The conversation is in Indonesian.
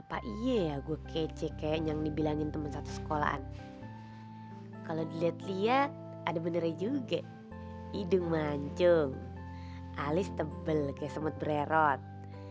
tuh kan sia tuh cewek tuh emang gak tau malu banget loh